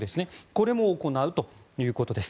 これも行うということです。